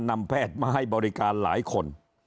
นำแพทย์มาให้บริการหลายคน